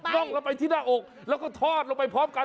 ร่องลงไปที่หน้าอกแล้วก็ทอดลงไปพร้อมกัน